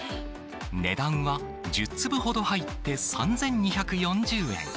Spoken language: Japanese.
値段は１０粒ほど入って３２４０円。